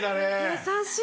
優しい！